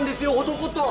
男と！